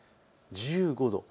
１５度。